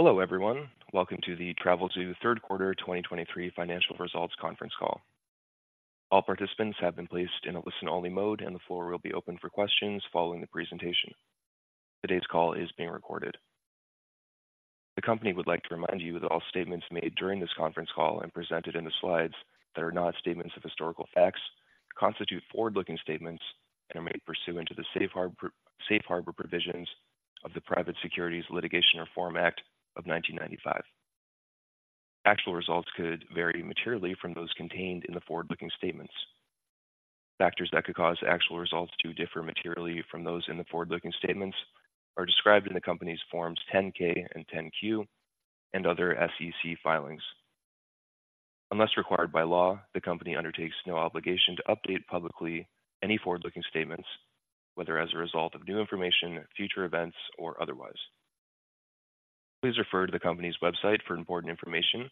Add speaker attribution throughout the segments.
Speaker 1: Hello, everyone. Welcome to the Travelzoo third quarter 2023 financial results conference call. All participants have been placed in a listen-only mode, and the floor will be open for questions following the presentation. Today's call is being recorded. The company would like to remind you that all statements made during this conference call and presented in the slides that are not statements of historical facts, constitute forward-looking statements and are made pursuant to the Safe Harbor provisions of the Private Securities Litigation Reform Act of 1995. Actual results could vary materially from those contained in the forward-looking statements. Factors that could cause actual results to differ materially from those in the forward-looking statements are described in the company's Forms 10-K and 10-Q and other SEC filings. Unless required by law, the company undertakes no obligation to update publicly any forward-looking statements, whether as a result of new information, future events, or otherwise. Please refer to the company's website for important information,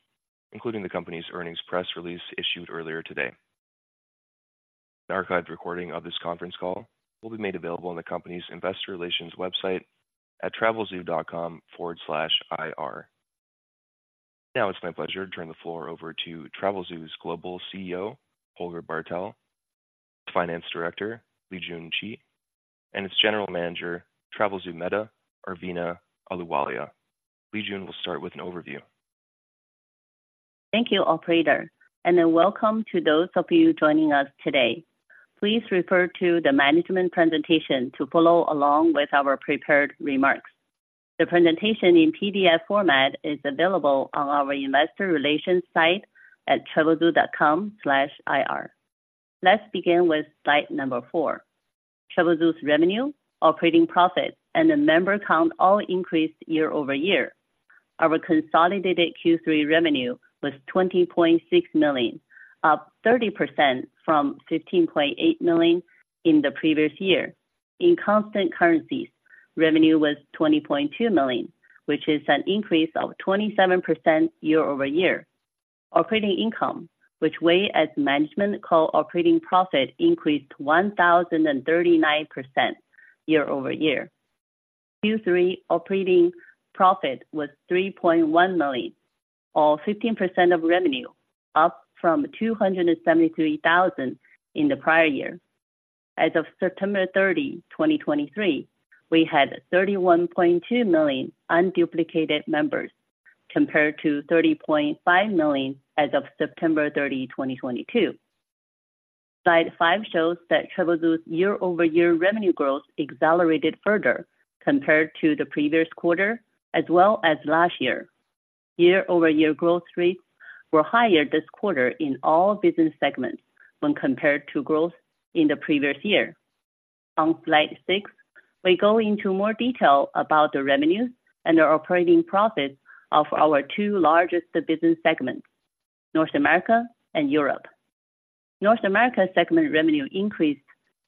Speaker 1: including the company's earnings press release issued earlier today. An archived recording of this conference call will be made available on the company's investor relations website at travelzoo.com/ir. Now, it's my pleasure to turn the floor over to Travelzoo's Global CEO, Holger Bartel, Finance Director, Lijun Qi, and its General Manager, Travelzoo META, Arveena Ahluwalia. Lijun will start with an overview.
Speaker 2: Thank you, operator, and a welcome to those of you joining us today. Please refer to the management presentation to follow along with our prepared remarks. The presentation in PDF format is available on our investor relations site at travelzoo.com/ir. Let's begin with slide number four. Travelzoo's revenue, operating profit, and the member count all increased year-over-year. Our consolidated Q3 revenue was $20.6 million, up 30% from $15.8 million in the previous year. In constant currencies, revenue was $20.2 million, which is an increase of 27% year-over-year. Operating income, which we as management call operating profit, increased 1,039% year-over-year. Q3 operating profit was $3.1 million, or 15% of revenue, up from $273,000 in the prior year. As of September 30, 2023, we had 31.2 million unduplicated members, compared to 30.5 million as of September 30, 2022. Slide five shows that Travelzoo's year-over-year revenue growth accelerated further compared to the previous quarter, as well as last year. Year-over-year growth rates were higher this quarter in all business segments when compared to growth in the previous year. On slide six, we go into more detail about the revenue and the operating profit of our two largest business segments, North America and Europe. North America segment revenue increased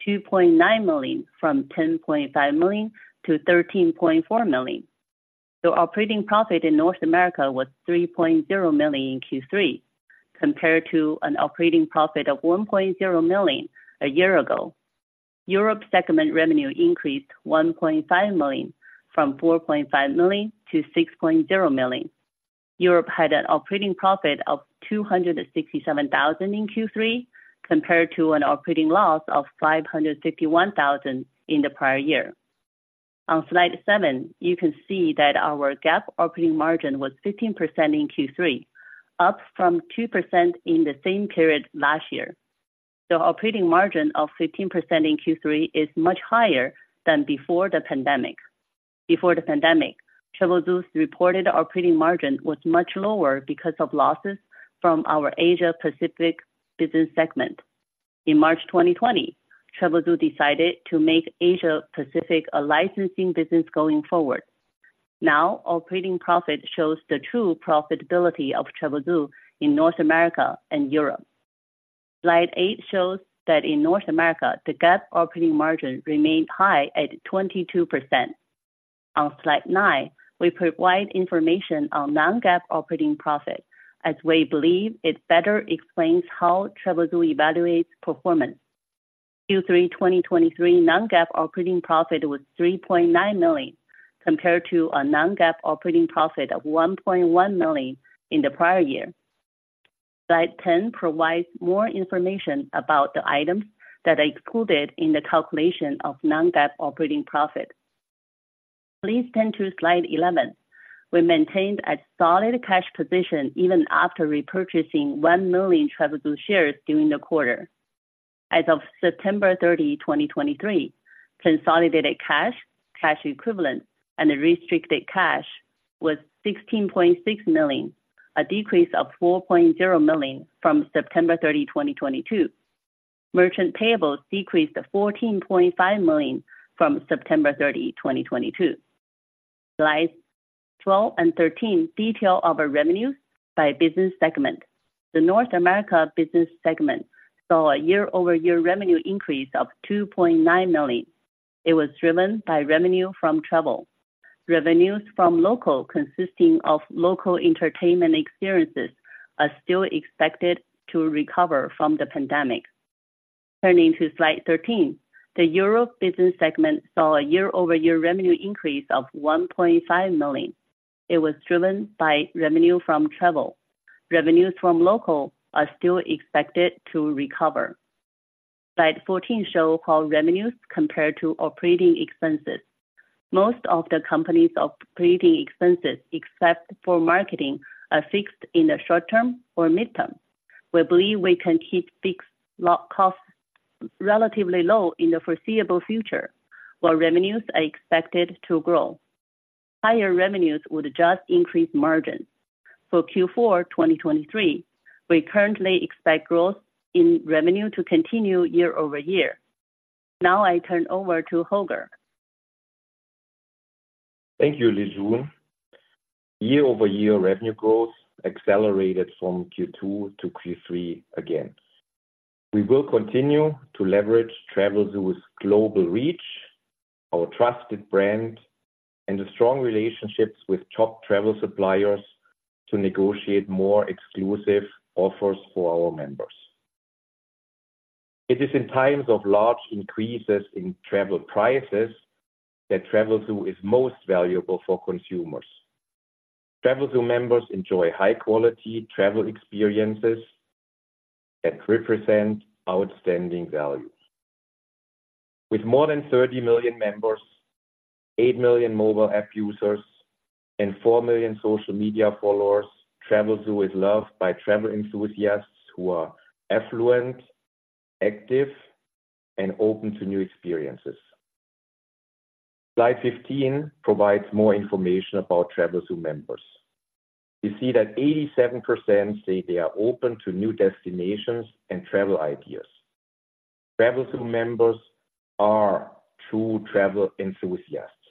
Speaker 2: $2.9 million, from $10.5 million to $13.4 million. The operating profit in North America was $3.0 million in Q3, compared to an operating profit of $1.0 million a year ago. Europe segment revenue increased $1.5 million, from $4.5 million to $6.0 million. Europe had an operating profit of $267,000 in Q3, compared to an operating loss of $551,000 in the prior year. On slide seven, you can see that our GAAP operating margin was 15% in Q3, up from 2% in the same period last year. The operating margin of 15% in Q3 is much higher than before the pandemic. Before the pandemic, Travelzoo's reported operating margin was much lower because of losses from our Asia Pacific business segment. In March 2020, Travelzoo decided to make Asia Pacific a licensing business going forward. Now, operating profit shows the true profitability of Travelzoo in North America and Europe. Slide eight shows that in North America, the GAAP operating margin remained high at 22%. On slide nine, we provide information on non-GAAP operating profit, as we believe it better explains how Travelzoo evaluates performance. Q3 2023 non-GAAP operating profit was $3.9 million, compared to a non-GAAP operating profit of $1.1 million in the prior year. Slide 10 provides more information about the items that are excluded in the calculation of non-GAAP operating profit. Please turn to slide 11. We maintained a solid cash position even after repurchasing 1 million Travelzoo shares during the quarter. As of September 30, 2023, consolidated cash, cash equivalents, and restricted cash was $16.6 million, a decrease of $4.0 million from September 30, 2022. Merchant payables decreased to $14.5 million from September 30, 2022. Slides 12 and 13 details our revenues by business segment. The North America business segment saw a year-over-year revenue increase of $2.9 million. It was driven by revenue from travel. Revenues from local, consisting of local entertainment experiences, are still expected to recover from the pandemic. Turning to slide 13, the Europe business segment saw a year-over-year revenue increase of $1.5 million. It was driven by revenue from travel. Revenues from local are still expected to recover. Slide 14 shows how revenues compare to operating expenses. Most of the company's operating expenses, except for marketing, are fixed in the short term or midterm. We believe we can keep fixed low costs relatively low in the foreseeable future, while revenues are expected to grow. Higher revenues would just increase margins. For Q4 2023, we currently expect growth in revenue to continue year-over-year. Now I turn over to Holger.
Speaker 3: Thank you, Lijun. Year-over-year revenue growth accelerated from Q2 to Q3 again. We will continue to leverage Travelzoo's global reach, our trusted brand, and the strong relationships with top travel suppliers to negotiate more exclusive offers for our members. It is in times of large increases in travel prices that Travelzoo is most valuable for consumers. Travelzoo members enjoy high-quality travel experiences that represent outstanding values. With more than 30 million members, 8 million mobile app users, and 4 million social media followers, Travelzoo is loved by travel enthusiasts who are affluent, active, and open to new experiences. Slide 15 provides more information about Travelzoo members. You see that 87% say they are open to new destinations and travel ideas. Travelzoo members are true travel enthusiasts.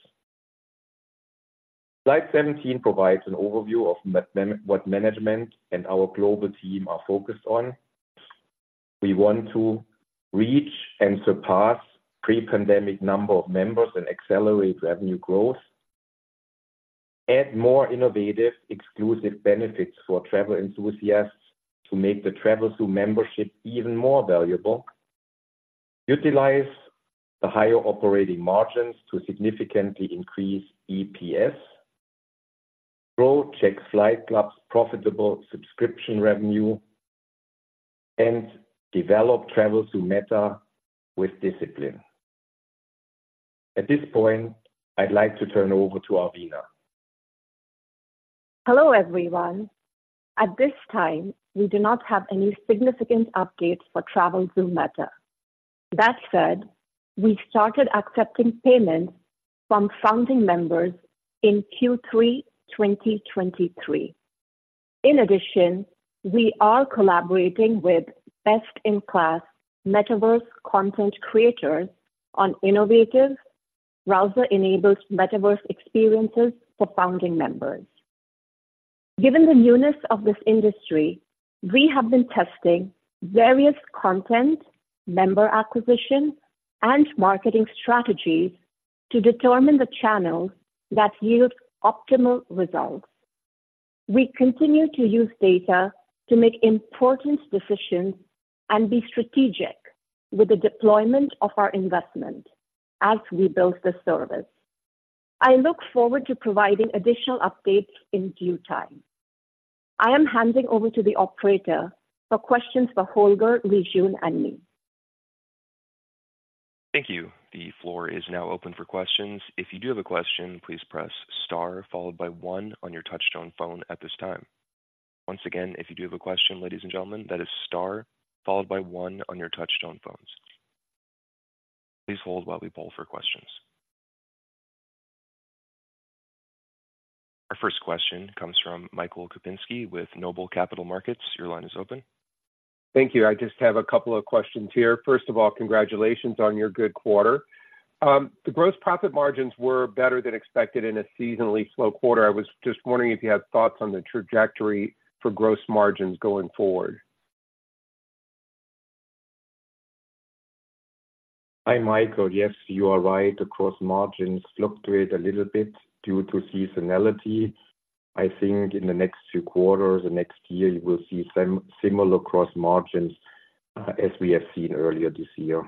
Speaker 3: Slide 17 provides an overview of what management and our global team are focused on. We want to reach and surpass pre-pandemic number of members and accelerate revenue growth, add more innovative, exclusive benefits for travel enthusiasts to make the Travelzoo membership even more valuable, utilize the higher operating margins to significantly increase EPS, grow Jack's Flight Club's profitable subscription revenue, and develop Travelzoo META with discipline. At this point, I'd like to turn over to Arveena.
Speaker 4: Hello, everyone. At this time, we do not have any significant updates for Travelzoo META. That said, we started accepting payments from founding members in Q3 2023. In addition, we are collaborating with best-in-class metaverse content creators on innovative browser-enabled metaverse experiences for founding members. Given the newness of this industry, we have been testing various content, member acquisition, and marketing strategies to determine the channels that yield optimal results. We continue to use data to make important decisions and be strategic with the deployment of our investment as we build the service. I look forward to providing additional updates in due time. I am handing over to the operator for questions for Holger, Lijun, and me.
Speaker 1: Thank you. The floor is now open for questions. If you do have a question, please press star followed by one on your touchtone phone at this time. Once again, if you do have a question, ladies and gentlemen, that is star followed by one on your touchtone phones. Please hold while we poll for questions. Our first question comes from Michael Kupinski with Noble Capital Markets. Your line is open.
Speaker 5: Thank you. I just have a couple of questions here. First of all, congratulations on your good quarter. The gross profit margins were better than expected in a seasonally slow quarter. I was just wondering if you had thoughts on the trajectory for gross margins going forward?
Speaker 3: Hi, Michael. Yes, you are right. The gross margins fluctuate a little bit due to seasonality. I think in the next two quarters or next year, you will see similar gross margins as we have seen earlier this year.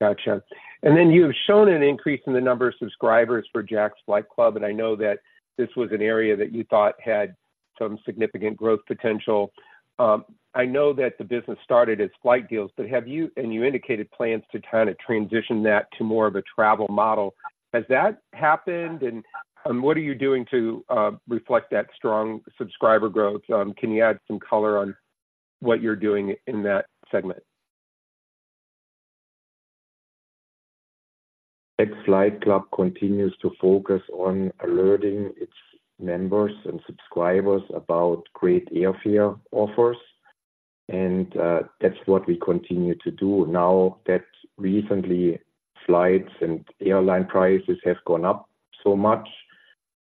Speaker 5: Gotcha. And then you've shown an increase in the number of subscribers for Jack's Flight Club, and I know that this was an area that you thought had some significant growth potential. I know that the business started as flight deals, but have you-- and you indicated plans to kind of transition that to more of a travel model. Has that happened, and, and what are you doing to reflect that strong subscriber growth? Can you add some color on what you're doing in that segment?
Speaker 3: Jack's Flight Club continues to focus on alerting its members and subscribers about great airfare offers, and that's what we continue to do. Now that recently flights and airline prices have gone up so much,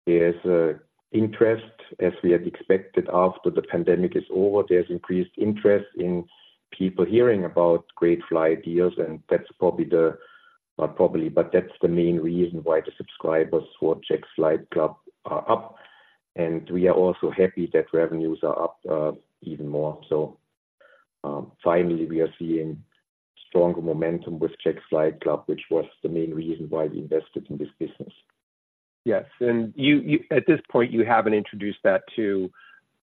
Speaker 3: there's interest, as we had expected after the pandemic is over. There's increased interest in people hearing about great flight deals, and that's probably. Not probably, but that's the main reason why the subscribers for Jack's Flight Club are up, and we are also happy that revenues are up, even more. So, finally, we are seeing stronger momentum with Jack's Flight Club, which was the main reason why we invested in this business.
Speaker 5: Yes. You, at this point, you haven't introduced that to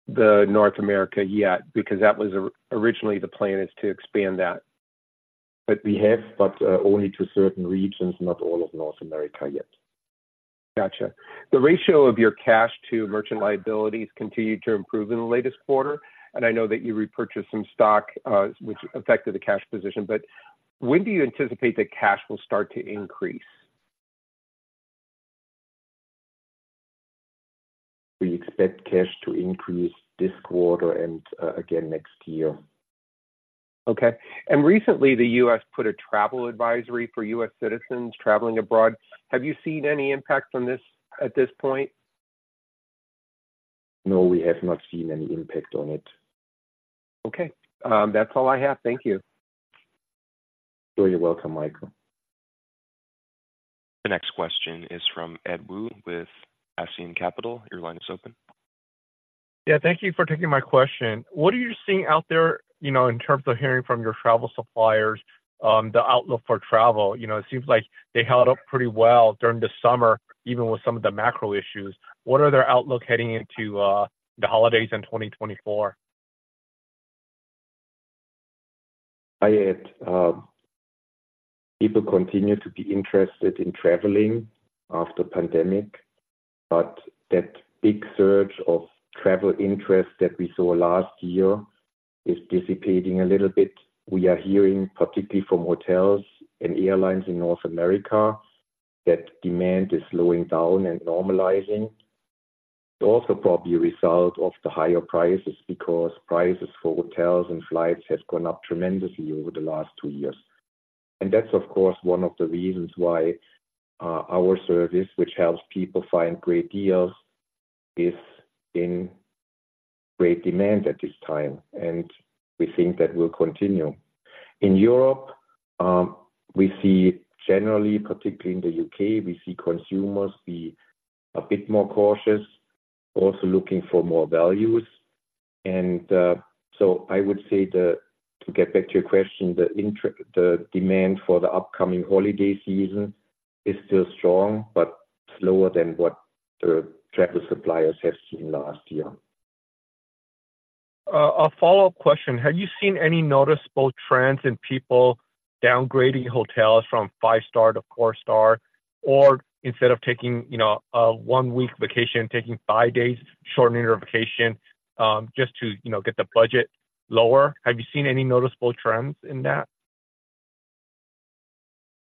Speaker 5: North America yet, because that was originally, the plan is to expand that.
Speaker 3: But we have only to certain regions, not all of North America yet.
Speaker 5: Gotcha. The ratio of your cash to merchant liabilities continued to improve in the latest quarter, and I know that you repurchased some stock, which affected the cash position. But when do you anticipate that cash will start to increase?
Speaker 3: We expect cash to increase this quarter and, again next year.
Speaker 5: Okay. Recently, the U.S. put a travel advisory for U.S. citizens traveling abroad. Have you seen any impact on this at this point?
Speaker 3: No, we have not seen any impact on it.
Speaker 5: Okay. That's all I have. Thank you.
Speaker 3: You're welcome, Michael.
Speaker 1: The next question is from Ed Woo with Ascendiant Capital Markets. Your line is open.
Speaker 6: Yeah, thank you for taking my question. What are you seeing out there, you know, in terms of hearing from your travel suppliers, you know, the outlook for travel? You know, it seems like they held up pretty well during the summer, even with some of the macro issues. What are their outlook heading into the holidays in 2024?
Speaker 3: Hi, Ed. People continue to be interested in traveling after pandemic, but that big surge of travel interest that we saw last year is dissipating a little bit. We are hearing, particularly from hotels and airlines in North America, that demand is slowing down and normalizing. It's also probably a result of the higher prices, because prices for hotels and flights has gone up tremendously over the last two years. And that's, of course, one of the reasons why our service, which helps people find great deals, is in great demand at this time, and we think that will continue. In Europe, we see generally, particularly in the U.K., we see consumers be a bit more cautious, also looking for more values. And so I would say the. To get back to your question, the demand for the upcoming holiday season is still strong, but slower than what the travel suppliers have seen last year.
Speaker 6: A follow-up question: Have you seen any noticeable trends in people downgrading hotels from five star to four star, or instead of taking, you know, a one-week vacation, taking five days, shortening their vacation, just to, you know, get the budget lower? Have you seen any noticeable trends in that?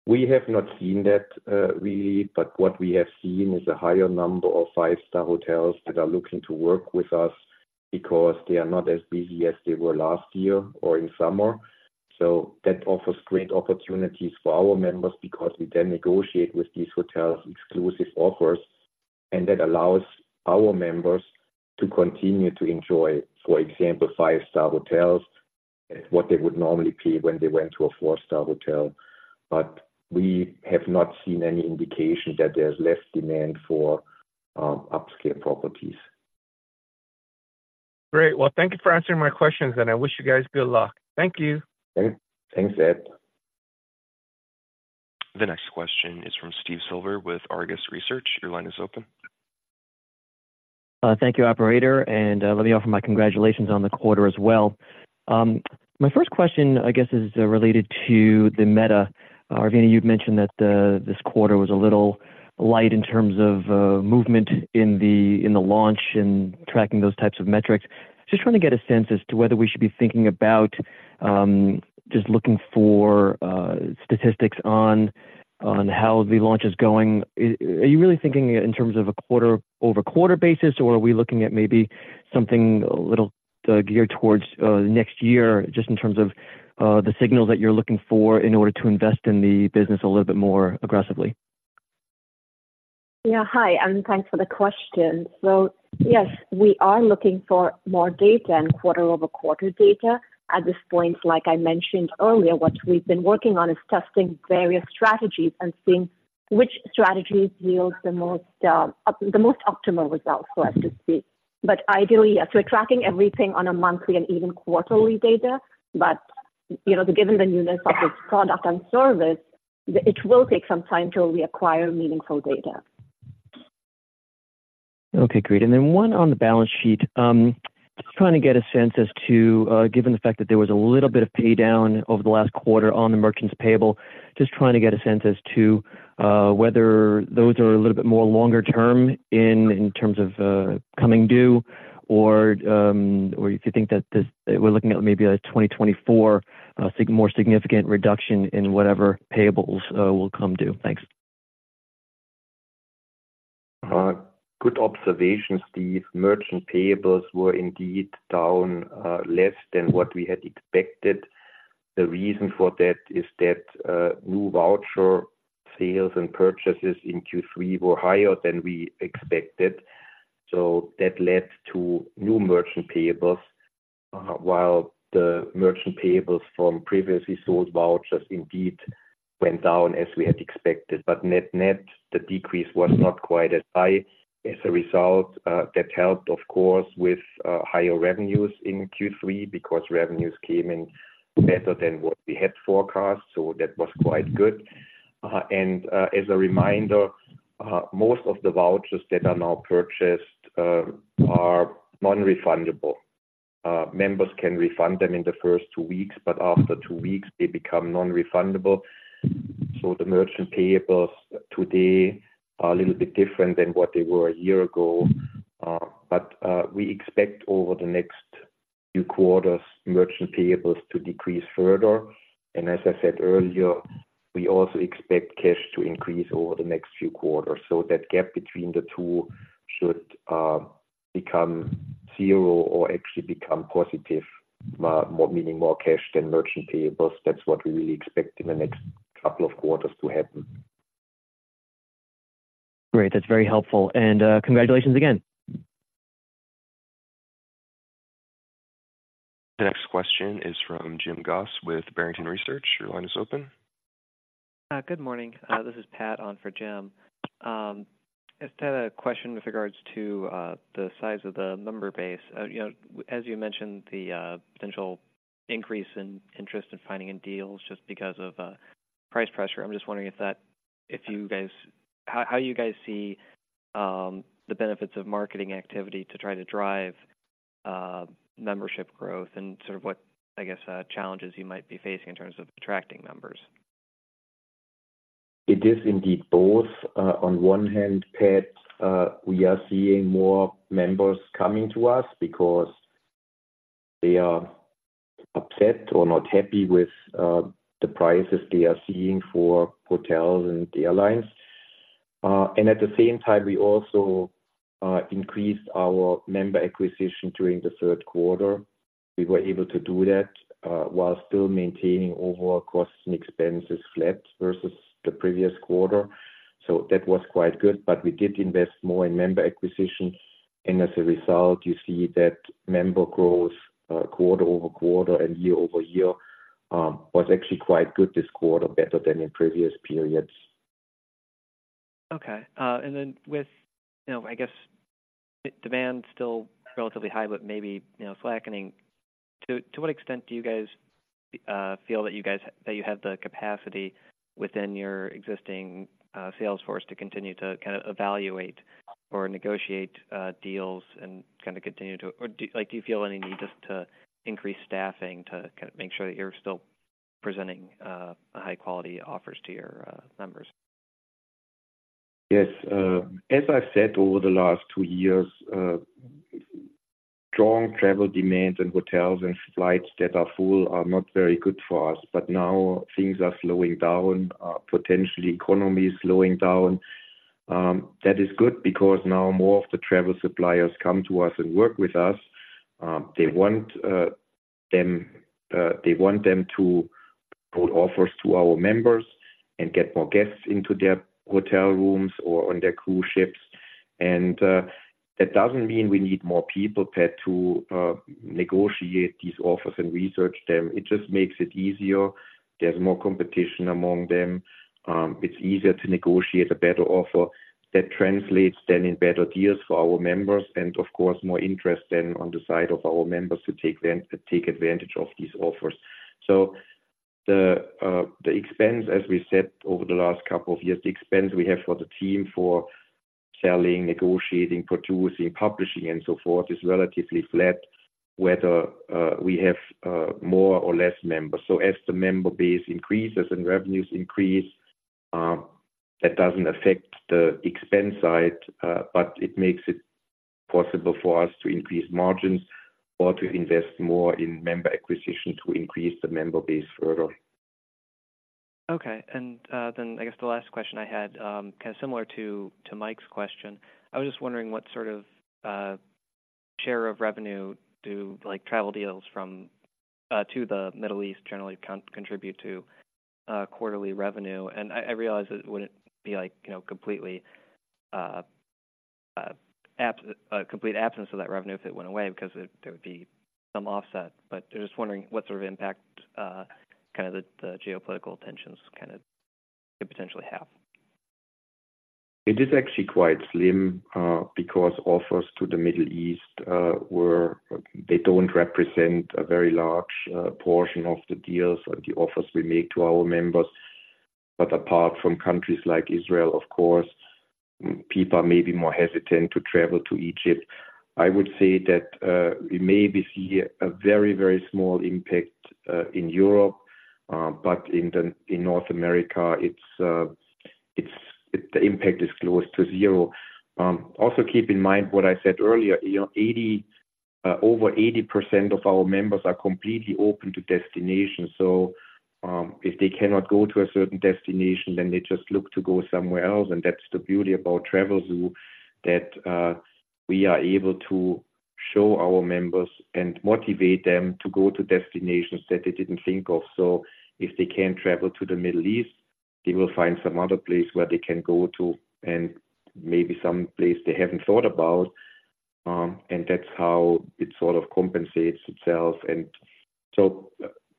Speaker 3: We have not seen that, really, but what we have seen is a higher number of five-star hotels that are looking to work with us because they are not as busy as they were last year or in summer. That offers great opportunities for our members because we then negotiate with these hotels exclusive offers, and that allows our members to continue to enjoy, for example, five-star hotels at what they would normally pay when they went to a four-star hotel. But we have not seen any indication that there's less demand for upscale properties.
Speaker 6: Great. Well, thank you for answering my questions, and I wish you guys good luck. Thank you.
Speaker 3: Thanks, Ed.
Speaker 1: The next question is from Steve Silver with Argus Research. Your line is open.
Speaker 7: Thank you, operator, and let me offer my congratulations on the quarter as well. My first question, I guess, is related to the META. Arveena, you've mentioned that this quarter was a little light in terms of movement in the launch and tracking those types of metrics. Just want to get a sense as to whether we should be thinking about just looking for statistics on how the launch is going. Are you really thinking in terms of a quarter-over-quarter basis, or are we looking at maybe something a little geared towards next year, just in terms of the signal that you're looking for in order to invest in the business a little bit more aggressively?
Speaker 4: Yeah. Hi, and thanks for the question. So yes, we are looking for more data and quarter-over-quarter data. At this point, like I mentioned earlier, what we've been working on is testing various strategies and seeing which strategies yields the most the most optimal results for us to see. But ideally, yes, we're tracking everything on a monthly and even quarterly data, but, you know, given the newness of this product and service, it will take some time till we acquire meaningful data.
Speaker 7: Okay, great. And then one on the balance sheet. Just trying to get a sense as to, given the fact that there was a little bit of pay down over the last quarter on the merchant payables, just trying to get a sense as to whether those are a little bit more longer term in terms of coming due, or if you think that this. We're looking at maybe a 2024 more significant reduction in whatever payables will come due. Thanks.
Speaker 3: Good observation, Steve. Merchant payables were indeed down less than what we had expected. The reason for that is that new voucher sales and purchases in Q3 were higher than we expected, so that led to new merchant payables. While the merchant payables from previously sold vouchers indeed went down as we had expected, but net-net, the decrease was not quite as high. As a result, that helped, of course, with higher revenues in Q3, because revenues came in better than what we had forecast. So that was quite good. And, as a reminder, most of the vouchers that are now purchased are non-refundable. Members can refund them in the first two weeks, but after two weeks, they become non-refundable. So the merchant payables today are a little bit different than what they were a year ago. But we expect over the next few quarters, merchant payables to decrease further. And as I said earlier, we also expect cash to increase over the next few quarters. So that gap between the two should become zero or actually become positive, meaning more cash than merchant payables. That's what we really expect in the next couple of quarters to happen.
Speaker 7: Great. That's very helpful. And, congratulations again.
Speaker 1: The next question is from Jim Goss with Barrington Research. Your line is open.
Speaker 8: Good morning. This is Pat on for Jim. I just had a question with regards to the size of the member base. You know, as you mentioned, the potential increase in interest in finding in deals just because of price pressure. I'm just wondering if that—if you guys. How, how you guys see the benefits of marketing activity to try to drive membership growth and sort of what, I guess, challenges you might be facing in terms of attracting members?
Speaker 3: It is indeed both. On one hand, Pat, we are seeing more members coming to us because they are upset or not happy with the prices they are seeing for hotels and the airlines. And at the same time, we also increased our member acquisition during the third quarter. We were able to do that while still maintaining overall costs and expenses flat versus the previous quarter. So that was quite good, but we did invest more in member acquisition, and as a result, you see that member growth quarter-over-quarter and year-over-year was actually quite good this quarter, better than in previous periods.
Speaker 8: Okay. And then with, you know, I guess, demand still relatively high, but maybe, you know, slackening, to what extent do you guys feel that you have the capacity within your existing sales force to continue to kinda evaluate or negotiate deals and kinda continue to. Or do, like, do you feel any need just to increase staffing to make sure that you're still presenting high-quality offers to your members?
Speaker 3: Yes. As I've said, over the last two years, strong travel demands and hotels and flights that are full are not very good for us, but now things are slowing down, potentially economy is slowing down. That is good because now more of the travel suppliers come to us and work with us. They want, them, they want them to put offers to our members and get more guests into their hotel rooms or on their cruise ships. And, that doesn't mean we need more people, Pat, to negotiate these offers and research them. It just makes it easier. There's more competition among them. It's easier to negotiate a better offer. That translates then in better deals for our members, and of course, more interest than on the side of our members to take them, take advantage of these offers. So the expense, as we said over the last couple of years, the expense we have for the team for selling, negotiating, producing, publishing, and so forth, is relatively flat, whether we have more or less members. So as the member base increases and revenues increase, that doesn't affect the expense side, but it makes it possible for us to increase margins or to invest more in member acquisition to increase the member base further.
Speaker 8: Okay. And then I guess the last question I had, kinda similar to, to Mike's question. I was just wondering what sort of share of revenue do, like, travel deals from, to the Middle East generally contribute to quarterly revenue? And I realize it wouldn't be like, you know, completely, a complete absence of that revenue if it went away because there would be some offset. But just wondering what sort of impact, kinda the, the geopolitical tensions kinda could potentially have.
Speaker 3: It is actually quite slim, because offers to the Middle East were, they don't represent a very large portion of the deals or the offers we make to our members. But apart from countries like Israel, of course, people may be more hesitant to travel to Egypt. I would say that, we may be seeing a very, very small impact in Europe, but in the, in North America, it's, it's, the impact is close to zero. Also, keep in mind what I said earlier, you know, 80, over 80% of our members are completely open to destinations. So, if they cannot go to a certain destination, then they just look to go somewhere else. And that's the beauty about Travelzoo, that we are able to show our members and motivate them to go to destinations that they didn't think of. So if they can't travel to the Middle East, they will find some other place where they can go to and maybe some place they haven't thought about. And that's how it sort of compensates itself. And so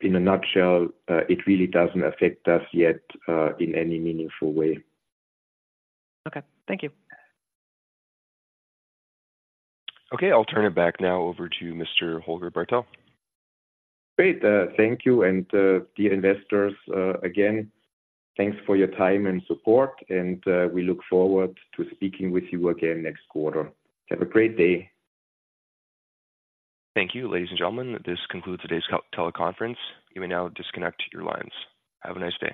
Speaker 3: in a nutshell, it really doesn't affect us yet in any meaningful way.
Speaker 8: Okay. Thank you.
Speaker 1: Okay. I'll turn it back now over to Mr. Holger Bartel.
Speaker 3: Great. Thank you. And, dear investors, again, thanks for your time and support, and we look forward to speaking with you again next quarter. Have a great day.
Speaker 1: Thank you, ladies and gentlemen. This concludes today's teleconference. You may now disconnect your lines. Have a nice day.